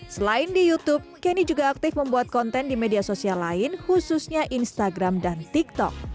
selain di youtube kenny juga aktif membuat konten di media sosial lain khususnya instagram dan tiktok